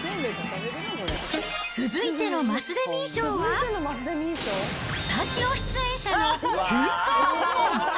続いてのマスデミー賞は、スタジオ出演者の奮闘部門。